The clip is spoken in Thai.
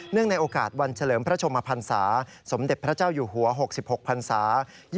ในโอกาสวันเฉลิมพระชมพันศาสมเด็จพระเจ้าอยู่หัว๖๖พันศา